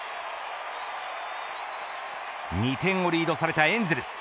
２点をリードされたエンゼルス。